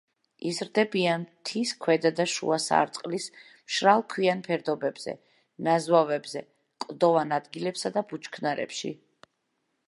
იზრდებიან მთის ქვედა და შუა სარტყლის მშრალ ქვიან ფერდობებზე, ნაზვავებზე, კლდოვან ადგილებსა და ბუჩქნარებში.